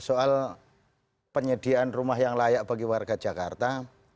soal penyediaan rumah yang layak bagi warga jakarta